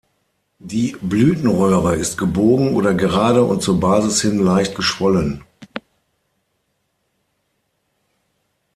Die Blütenröhre ist gebogen oder gerade und zur Basis hin leicht geschwollen.